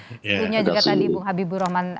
sebelumnya juga tadi bu habibu roman